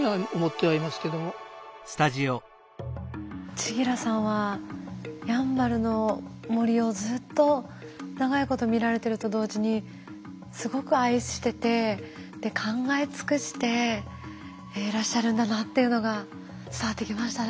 千木良さんはやんばるの森をずっと長いこと見られてると同時にすごく愛してて考え尽くしていらっしゃるんだなっていうのが伝わってきましたね。